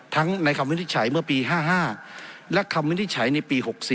ในคำวินิจฉัยเมื่อปี๕๕และคำวินิจฉัยในปี๖๔